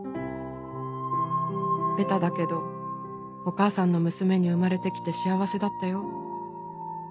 ベタだけどお母さんの娘に生まれて来て幸せだったよ。